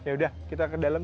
ya kita ke dalam